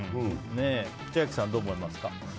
千秋さん、どう思いますか？